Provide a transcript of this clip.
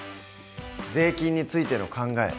税金についての考え